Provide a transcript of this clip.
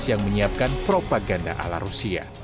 yang menyiapkan propaganda ala rusia